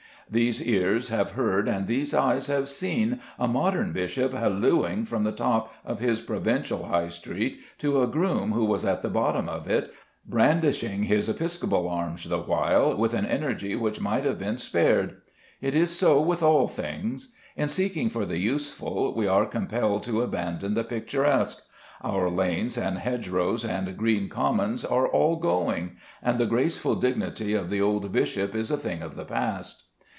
These ears have heard and these eyes have seen a modern bishop hallooing from the top of his provincial High street to a groom who was at the bottom of it, brandishing his episcopal arms the while with an energy which might have been spared. It is so with all things. In seeking for the useful, we are compelled to abandon the picturesque. Our lanes and hedgerows and green commons are all going; and the graceful dignity of the old bishop is a thing of the past.